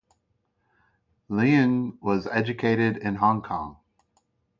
Leung was educated in Hong Kong.